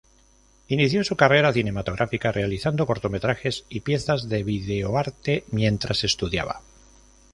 Inició su carrera cinematográfica realizando cortometrajes y piezas de videoarte mientras estudiaba.